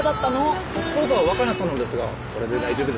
パスポートは若菜さんのですがこれで大丈夫です。